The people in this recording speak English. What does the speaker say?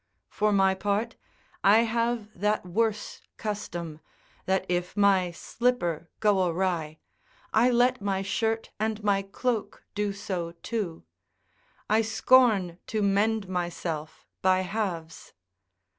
For my part, I have that worse custom, that if my slipper go awry, I let my shirt and my cloak do so too; I scorn to mend myself by halves.